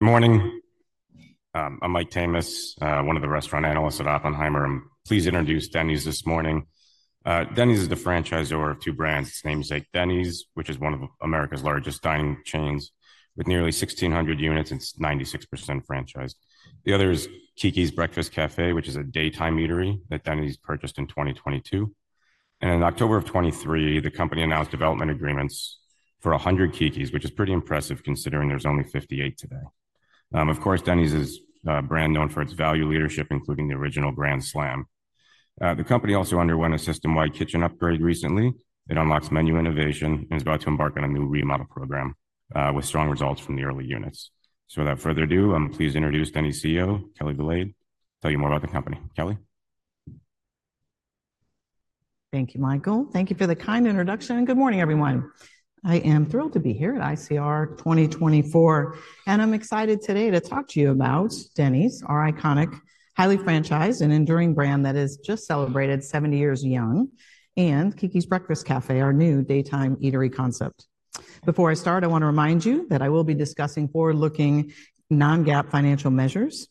Good morning. I'm Mike Tamas, one of the restaurant analysts at Oppenheimer. I'm pleased to introduce Denny's this morning. Denny's is the franchisor of two brands, its namesake, Denny's, which is one of America's largest dining chains. With nearly 1,600 units, it's 96% franchised. The other is Keke's Breakfast Cafe, which is a daytime eatery that Denny's purchased in 2022, and in October of 2023, the company announced development agreements for 100 Keke's, which is pretty impressive considering there's only 58 today. Of course, Denny's is a brand known for its value leadership, including the Original Grand Slam. The company also underwent a system-wide kitchen upgrade recently. It unlocks menu innovation and is about to embark on a new remodel program, with strong results from the early units. Without further ado, please introduce Denny's Chief Executive Officer, Kelli Valade, to tell you more about the company. Kelli? Thank you, Michael. Thank you for the kind introduction, and good morning, everyone. I am thrilled to be here at ICR 2024, and I'm excited today to talk to you about Denny's, our iconic, highly franchised and enduring brand that has just celebrated 70 years young, and Keke's Breakfast Cafe, our new daytime eatery concept. Before I start, I want to remind you that I will be discussing forward-looking, non-GAAP financial measures.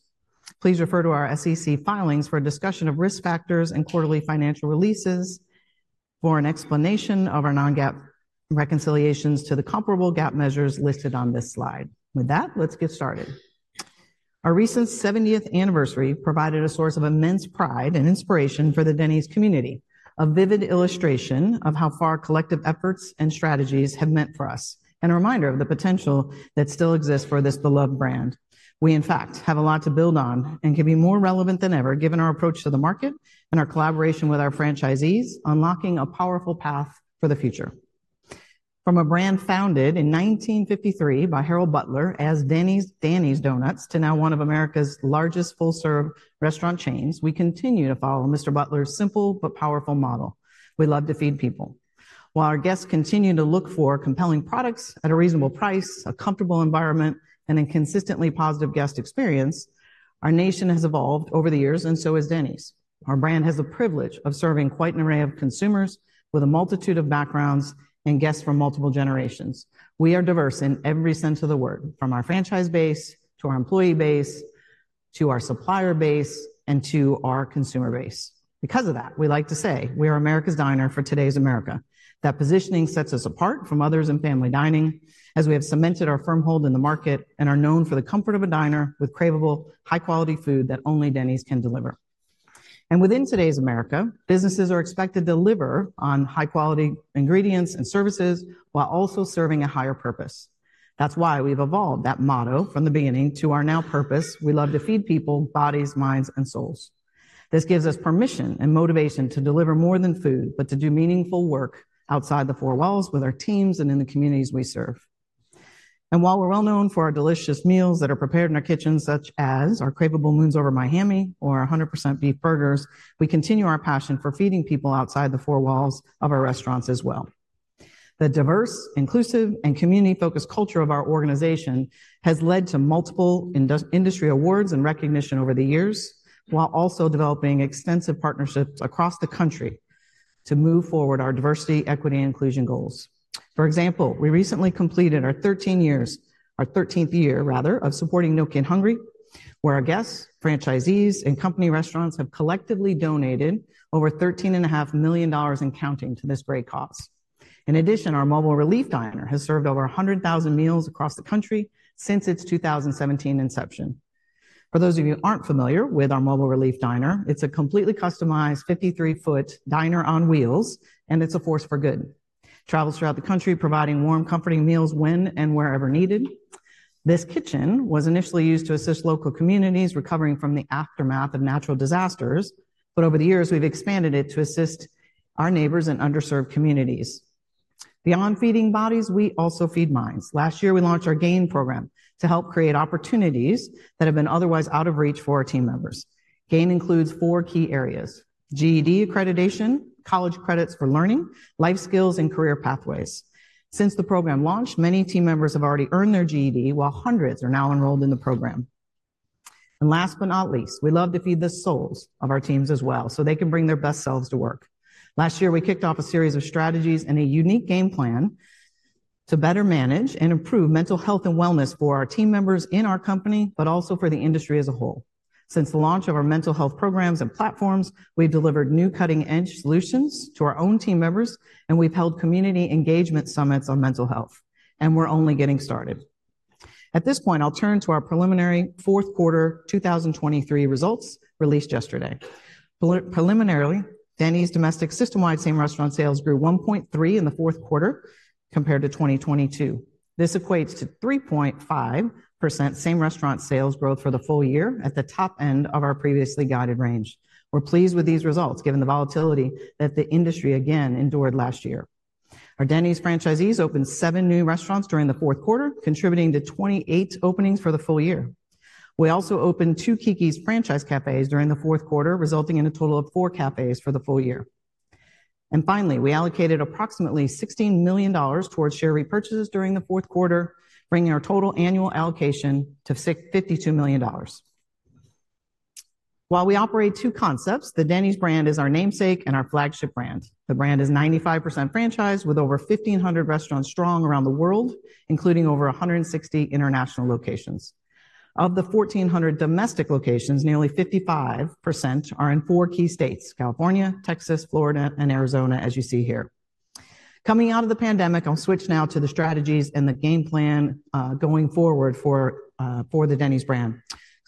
Please refer to our SEC filings for a discussion of risk factors and quarterly financial releases for an explanation of our non-GAAP reconciliations to the comparable GAAP measures listed on this slide. With that, let's get started. Our recent seventieth anniversary provided a source of immense pride and inspiration for the Denny's community, a vivid illustration of how far our collective efforts and strategies have meant for us, and a reminder of the potential that still exists for this beloved brand. We, in fact, have a lot to build on and can be more relevant than ever, given our approach to the market and our collaboration with our franchisees, unlocking a powerful path for the future. From a brand founded in 1953 by Harold Butler as Danny's, Danny's Donuts, to now one of America's largest full-serve restaurant chains, we continue to follow Mr. Butler's simple but powerful model: We love to feed people. While our guests continue to look for compelling products at a reasonable price, a comfortable environment, and a consistently positive guest experience, our nation has evolved over the years, and so has Denny's. Our brand has the privilege of serving quite an array of consumers with a multitude of backgrounds and guests from multiple generations. We are diverse in every sense of the word, from our franchise base to our employee base, to our supplier base, and to our consumer base. Because of that, we like to say we are America's diner for today's America. That positioning sets us apart from others in family dining, as we have cemented our firm hold in the market and are known for the comfort of a diner with craveable, high-quality food that only Denny's can deliver. And within today's America, businesses are expected to deliver on high-quality ingredients and services while also serving a higher purpose. That's why we've evolved that motto from the beginning to our now purpose: We love to feed people, bodies, minds, and souls. This gives us permission and motivation to deliver more than food, but to do meaningful work outside the four walls with our teams and in the communities we serve. And while we're well known for our delicious meals that are prepared in our kitchens, such as our craveable Moons Over My Hammy or our 100% beef burgers, we continue our passion for feeding people outside the four walls of our restaurants as well. The diverse, inclusive, and community-focused culture of our organization has led to multiple industry awards and recognition over the years, while also developing extensive partnerships across the country to move forward our diversity, equity, and inclusion goals. For example, we recently completed our 13 years... Our thirteenth year, rather, of supporting No Kid Hungry, where our guests, franchisees, and company restaurants have collectively donated over $13.5 million and counting to this great cause. In addition, our Mobile Relief Diner has served over 100,000 meals across the country since its 2017 inception. For those of you who aren't familiar with our Mobile Relief Diner, it's a completely customized 53-foot diner on wheels, and it's a force for good. It travels throughout the country, providing warm, comforting meals when and wherever needed. This kitchen was initially used to assist local communities recovering from the aftermath of natural disasters, but over the years, we've expanded it to assist our neighbors in underserved communities. Beyond feeding bodies, we also feed minds. Last year, we launched our GAIN program to help create opportunities that have been otherwise out of reach for our team members. GAIN includes four key areas: GED accreditation, college credits for learning, life skills, and career pathways. Since the program launched, many team members have already earned their GED, while hundreds are now enrolled in the program. And last but not least, we love to feed the souls of our teams as well, so they can bring their best selves to work. Last year, we kicked off a series of strategies and a unique game plan to better manage and improve mental health and wellness for our team members in our company, but also for the industry as a whole. Since the launch of our mental health programs and platforms, we've delivered new cutting-edge solutions to our own team members, and we've held community engagement summits on mental health, and we're only getting started. At this point, I'll turn to our preliminary fourth quarter 2023 results, released yesterday. Preliminarily, Denny's domestic system-wide same restaurant sales grew 1.3% in the fourth quarter compared to 2022. This equates to 3.5% same-restaurant sales growth for the full year at the top end of our previously guided range. We're pleased with these results, given the volatility that the industry again endured last year. Our Denny's franchisees opened 7 new restaurants during the fourth quarter, contributing to 28 openings for the full year. We also opened two Keke's franchise cafes during the fourth quarter, resulting in a total of four cafes for the full year. And finally, we allocated approximately $16 million towards share repurchases during the fourth quarter, bringing our total annual allocation to $52 million... While we operate two concepts, the Denny's brand is our namesake and our flagship brand. The brand is 95% franchised, with over 1,500 restaurants strong around the world, including over 160 international locations. Of the 1,400 domestic locations, nearly 55% are in four key states: California, Texas, Florida, and Arizona, as you see here. Coming out of the pandemic, I'll switch now to the strategies and the game plan, going forward for the Denny's brand.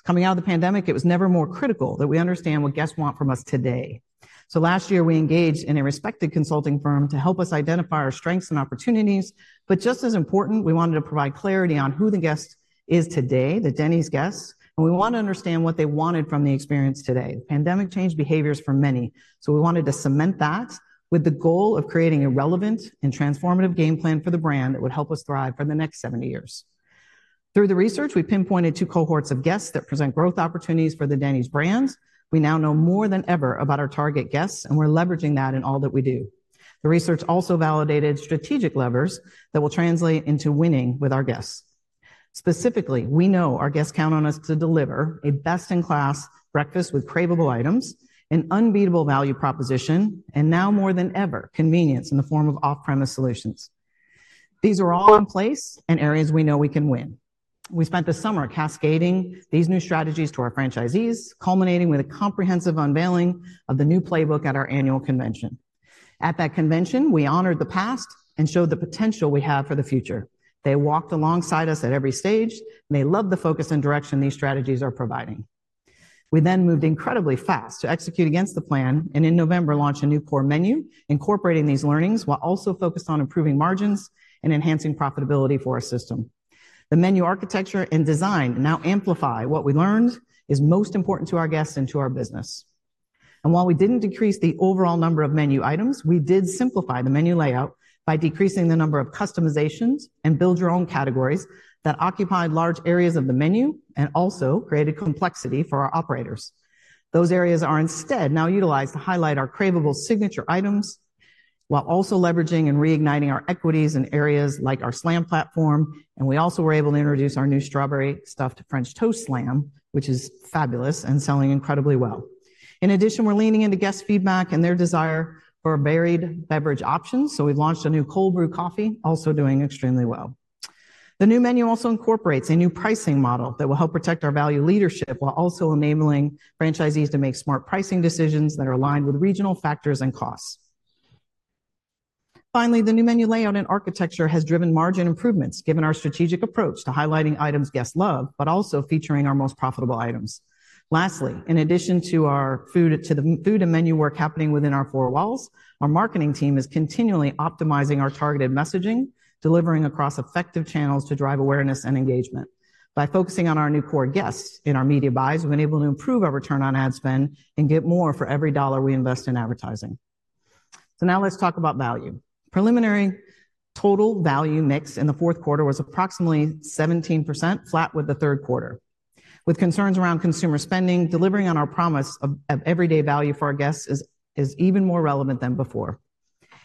Coming out of the pandemic, it was never more critical that we understand what guests want from us today. So last year, we engaged in a respected consulting firm to help us identify our strengths and opportunities. Just as important, we wanted to provide clarity on who the guest is today, the Denny's guests, and we want to understand what they wanted from the experience today. The pandemic changed behaviors for many, so we wanted to cement that with the goal of creating a relevant and transformative game plan for the brand that would help us thrive for the next 70 years. Through the research, we pinpointed two cohorts of guests that present growth opportunities for the Denny's brands. We now know more than ever about our target guests, and we're leveraging that in all that we do. The research also validated strategic levers that will translate into winning with our guests. Specifically, we know our guests count on us to deliver a best-in-class breakfast with craveable items and unbeatable value proposition, and now more than ever, convenience in the form of off-premise solutions. These are all in place and areas we know we can win. We spent the summer cascading these new strategies to our franchisees, culminating with a comprehensive unveiling of the new playbook at our annual convention. At that convention, we honored the past and showed the potential we have for the future. They walked alongside us at every stage, and they loved the focus and direction these strategies are providing. We then moved incredibly fast to execute against the plan, and in November, launched a new core menu, incorporating these learnings while also focused on improving margins and enhancing profitability for our system. The menu architecture and design now amplify what we learned is most important to our guests and to our business. While we didn't decrease the overall number of menu items, we did simplify the menu layout by decreasing the number of customizations and build your own categories that occupied large areas of the menu and also created complexity for our operators. Those areas are instead now utilized to highlight our craveable signature items, while also leveraging and reigniting our equities in areas like our Slam platform. And we also were able to introduce our new Strawberry Stuffed French Toast Slam, which is fabulous and selling incredibly well. In addition, we're leaning into guest feedback and their desire for varied beverage options, so we've launched a new cold brew coffee, also doing extremely well. The new menu also incorporates a new pricing model that will help protect our value leadership while also enabling franchisees to make smart pricing decisions that are aligned with regional factors and costs. Finally, the new menu layout and architecture has driven margin improvements, given our strategic approach to highlighting items guests love, but also featuring our most profitable items. Lastly, in addition to our food, to the food and menu work happening within our four walls, our marketing team is continually optimizing our targeted messaging, delivering across effective channels to drive awareness and engagement. By focusing on our new core guests in our media buys, we've been able to improve our return on ad spend and get more for every dollar we invest in advertising. So now let's talk about value. Preliminary total value mix in the fourth quarter was approximately 17%, flat with the third quarter. With concerns around consumer spending, delivering on our promise of everyday value for our guests is even more relevant than before.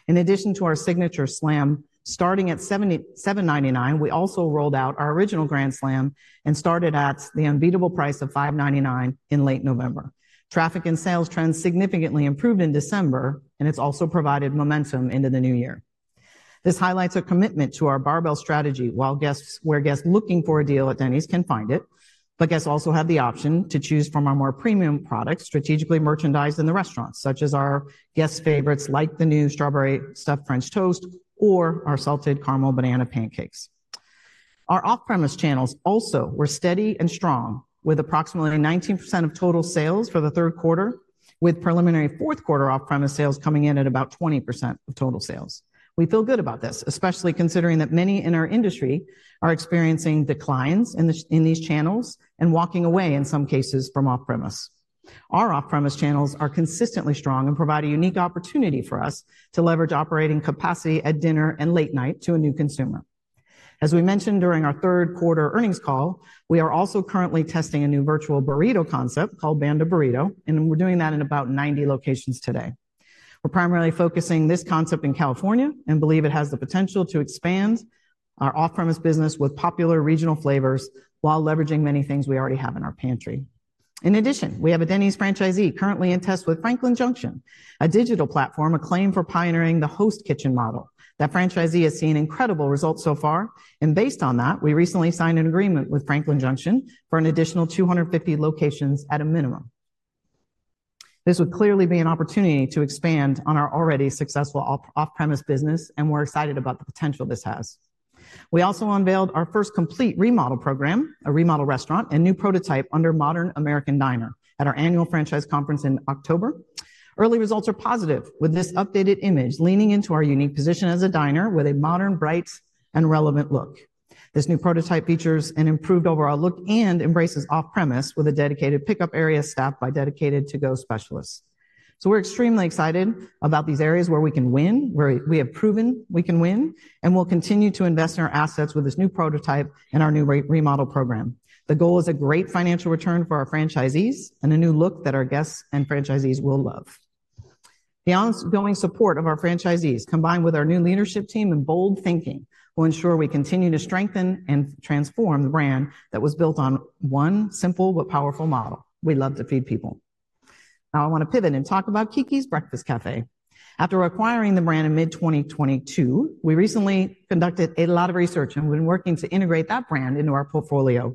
In addition to our signature Slam, starting at $77.99, we also rolled out our original Grand Slam and started at the unbeatable price of $5.99 in late November. Traffic and sales trends significantly improved in December, and it's also provided momentum into the new year. This highlights a commitment to our barbell strategy, while guests, where guests looking for a deal at Denny's can find it. But guests also have the option to choose from our more premium products, strategically merchandised in the restaurants, such as our guests' favorites, like the new Strawberry Stuffed French Toast or our Salted Caramel Banana Pancakes. Our off-premise channels also were steady and strong, with approximately 19% of total sales for the third quarter, with preliminary fourth quarter off-premise sales coming in at about 20% of total sales. We feel good about this, especially considering that many in our industry are experiencing declines in these channels and walking away, in some cases, from off-premise. Our off-premise channels are consistently strong and provide a unique opportunity for us to leverage operating capacity at dinner and late night to a new consumer. As we mentioned during our third quarter earnings call, we are also currently testing a new virtual burrito concept called Banda Burrito, and we're doing that in about 90 locations today. We're primarily focusing this concept in California and believe it has the potential to expand our off-premise business with popular regional flavors while leveraging many things we already have in our pantry. In addition, we have a Denny's franchisee currently in test with Franklin Junction, a digital platform acclaimed for pioneering the host kitchen model. That franchisee has seen incredible results so far, and based on that, we recently signed an agreement with Franklin Junction for an additional 250 locations at a minimum. This would clearly be an opportunity to expand on our already successful off-premise business, and we're excited about the potential this has. We also unveiled our first complete remodel program, a remodel restaurant, and new prototype under Modern American Diner at our annual franchise conference in October. Early results are positive, with this updated image leaning into our unique position as a diner with a modern, bright, and relevant look. This new prototype features an improved overall look and embraces off-premise with a dedicated pickup area staffed by dedicated to-go specialists. So we're extremely excited about these areas where we can win, where we have proven we can win, and we'll continue to invest in our assets with this new prototype and our new remodel program. The goal is a great financial return for our franchisees and a new look that our guests and franchisees will love. The ongoing support of our franchisees, combined with our new leadership team and bold thinking, will ensure we continue to strengthen and transform the brand that was built on one simple but powerful model: We love to feed people. Now I want to pivot and talk about Keke's Breakfast Cafe. After acquiring the brand in mid-2022, we recently conducted a lot of research, and we've been working to integrate that brand into our portfolio.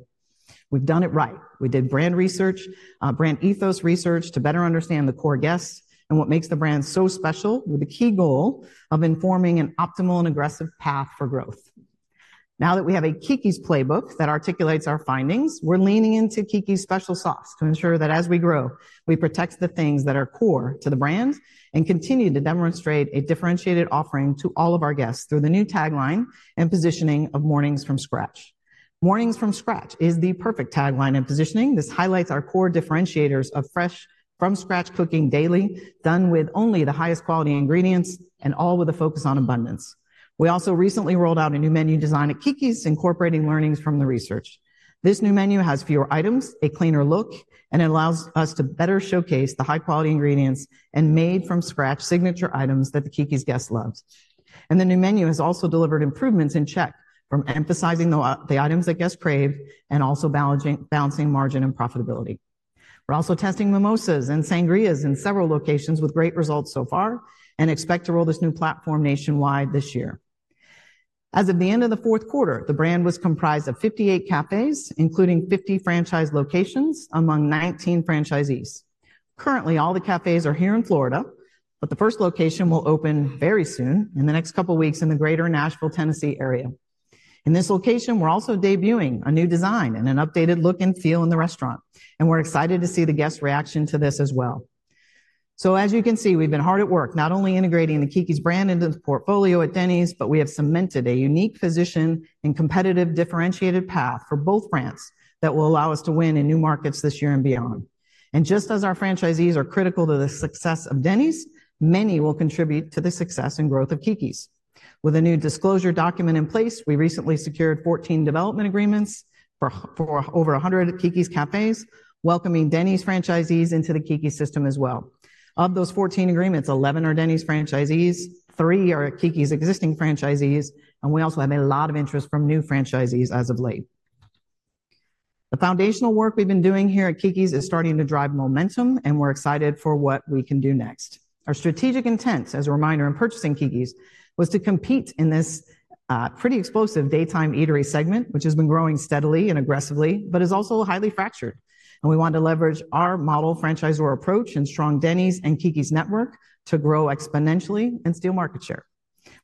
We've done it right. We did brand research, brand ethos research to better understand the core guests and what makes the brand so special, with the key goal of informing an optimal and aggressive path for growth. Now that we have a Keke's playbook that articulates our findings, we're leaning into Keke's special sauce to ensure that as we grow, we protect the things that are core to the brand and continue to demonstrate a differentiated offering to all of our guests through the new tagline and positioning of Mornings From Scratch. Mornings From Scratch is the perfect tagline and positioning. This highlights our core differentiators of fresh, from scratch cooking daily, done with only the highest quality ingredients, and all with a focus on abundance. We also recently rolled out a new menu design at Keke's, incorporating learnings from the research. This new menu has fewer items, a cleaner look, and it allows us to better showcase the high-quality ingredients and made-from-scratch signature items that the Keke's guest loves. And the new menu has also delivered improvements in check from emphasizing the items that guests crave and also balancing margin and profitability. We're also testing mimosas and sangrias in several locations with great results so far and expect to roll this new platform nationwide this year. As of the end of the fourth quarter, the brand was comprised of 58 cafes, including 50 franchise locations among 19 franchisees. Currently, all the cafes are here in Florida, but the first location will open very soon, in the next couple of weeks, in the greater Nashville, Tennessee, area. In this location, we're also debuting a new design and an updated look and feel in the restaurant, and we're excited to see the guests' reaction to this as well. So as you can see, we've been hard at work, not only integrating the Keke's brand into the portfolio at Denny's, but we have cemented a unique position and competitive, differentiated path for both brands that will allow us to win in new markets this year and beyond. And just as our franchisees are critical to the success of Denny's, many will contribute to the success and growth of Keke's. With a new disclosure document in place, we recently secured 14 development agreements for over 100 Keke's cafes, welcoming Denny's franchisees into the Keke's system as well. Of those 14 agreements, 11 are Denny's franchisees, three are Keke's existing franchisees, and we also have a lot of interest from new franchisees as of late. The foundational work we've been doing here at Keke's is starting to drive momentum, and we're excited for what we can do next. Our strategic intent, as a reminder, in purchasing Keke's, was to compete in this pretty explosive daytime eatery segment, which has been growing steadily and aggressively but is also highly fractured. And we want to leverage our model franchisor approach and strong Denny's and Keke's network to grow exponentially and steal market share.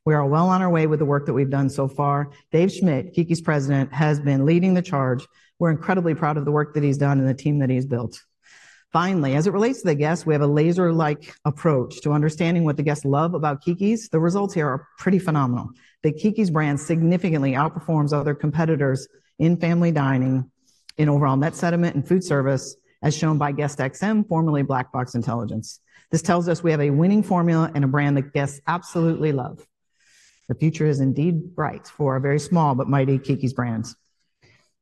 We are well on our way with the work that we've done so far. Dave Schmidt, Keke's President, has been leading the charge. We're incredibly proud of the work that he's done and the team that he's built. Finally, as it relates to the guests, we have a laser-like approach to understanding what the guests love about Keke's. The results here are pretty phenomenal. The Keke's brand significantly outperforms other competitors in family dining, in overall net sentiment and food service, as shown by GuestXM, formerly Black Box Intelligence. This tells us we have a winning formula and a brand that guests absolutely love. The future is indeed bright for our very small but mighty Keke's brands.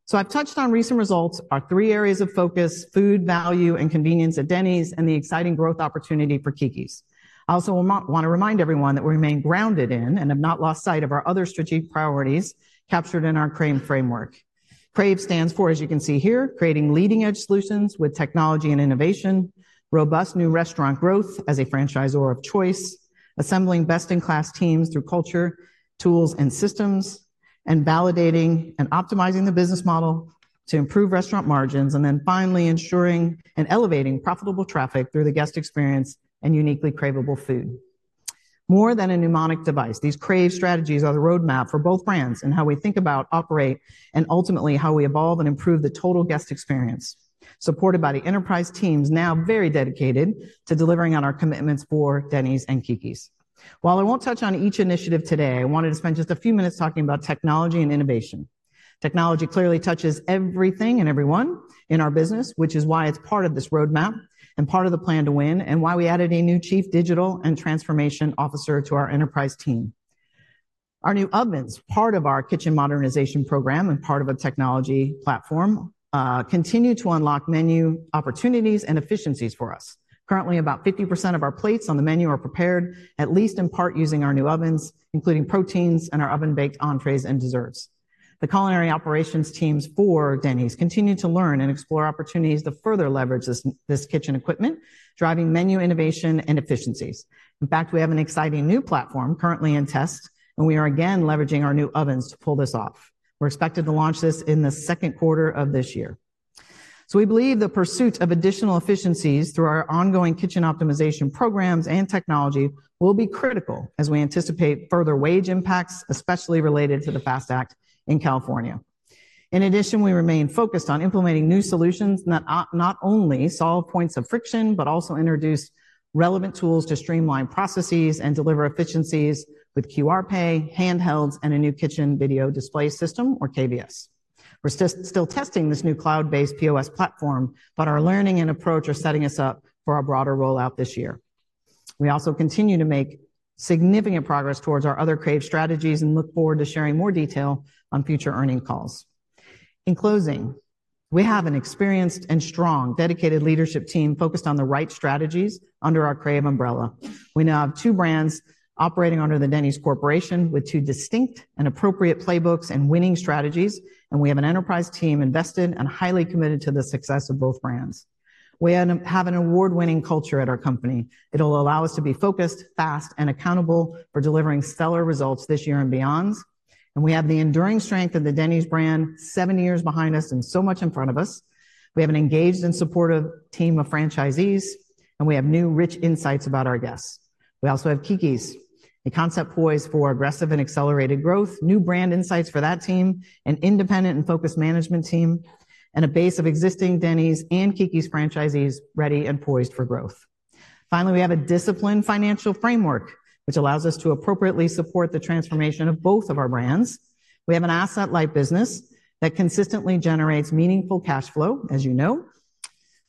So I've touched on recent results, our three areas of focus: food, value, and convenience at Denny's, and the exciting growth opportunity for Keke's. I also want to remind everyone that we remain grounded in and have not lost sight of our other strategic priorities captured in our CRAVE framework. CRAVE stands for, as you can see here, creating leading-edge solutions with technology and innovation, robust new restaurant growth as a franchisor of choice, assembling best-in-class teams through culture, tools, and systems, and validating and optimizing the business model to improve restaurant margins, and then finally, ensuring and elevating profitable traffic through the guest experience and uniquely craveable food. More than a mnemonic device, these CRAVE strategies are the roadmap for both brands and how we think about, operate, and ultimately how we evolve and improve the total guest experience, supported by the enterprise teams now very dedicated to delivering on our commitments for Denny's and Keke's. While I won't touch on each initiative today, I wanted to spend just a few minutes talking about technology and innovation. Technology clearly touches everything and everyone in our business, which is why it's part of this roadmap and part of the plan to win, and why we added a new Chief Digital and Transformation Officer to our enterprise team. Our new ovens, part of our kitchen modernization program and part of a technology platform, continue to unlock menu opportunities and efficiencies for us. Currently, about 50% of our plates on the menu are prepared, at least in part, using our new ovens, including proteins and our oven-baked entrees and desserts. The culinary operations teams for Denny's continue to learn and explore opportunities to further leverage this kitchen equipment, driving menu innovation and efficiencies. In fact, we have an exciting new platform currently in test, and we are again leveraging our new ovens to pull this off. We're expected to launch this in the second quarter of this year. So we believe the pursuit of additional efficiencies through our ongoing kitchen optimization programs and technology will be critical as we anticipate further wage impacts, especially related to the FAST Act in California. In addition, we remain focused on implementing new solutions that not only solve points of friction, but also introduce relevant tools to streamline processes and deliver efficiencies with QR Pay, handhelds, and a new kitchen video display system, or KVS. We're still testing this new cloud-based POS platform, but our learning and approach are setting us up for a broader rollout this year. We also continue to make significant progress towards our other crave strategies and look forward to sharing more detail on future earnings calls. In closing, we have an experienced and strong, dedicated leadership team focused on the right strategies under our CRAVE umbrella. We now have two brands operating under the Denny's Corporation, with two distinct and appropriate playbooks and winning strategies, and we have an enterprise team invested and highly committed to the success of both brands. We have an award-winning culture at our company. It'll allow us to be focused, fast, and accountable for delivering stellar results this year and beyond. And we have the enduring strength of the Denny's brand, seven years behind us and so much in front of us. We have an engaged and supportive team of franchisees, and we have new, rich insights about our guests. We also have Keke's, a concept poised for aggressive and accelerated growth, new brand insights for that team, an independent and focused management team, and a base of existing Denny's and Keke's franchisees ready and poised for growth. Finally, we have a disciplined financial framework, which allows us to appropriately support the transformation of both of our brands. We have an asset-light business that consistently generates meaningful cash flow, as you know.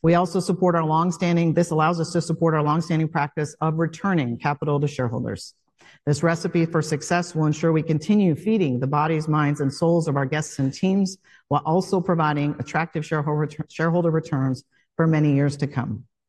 This allows us to support our long-standing practice of returning capital to shareholders. This recipe for success will ensure we continue feeding the bodies, minds, and souls of our guests and teams, while also providing attractive shareholder returns for many years to come.